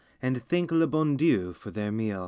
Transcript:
And thank le bon Dieii for their meal.